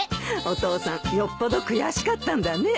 お父さんよっぽど悔しかったんだね。